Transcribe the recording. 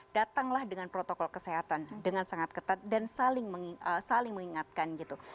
datanglah dengan protokol kesehatan dengan sangat ketat dan saling mengingatkan gitu